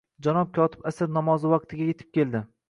Janob kotib asr namozi vaqtiga etib keldi